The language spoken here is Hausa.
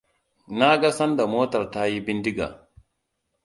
Na ga sanda motar ta yi bindiga.